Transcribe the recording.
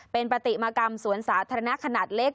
เป็นปฏิมากรรมสวนสาธารณะขนาดเล็ก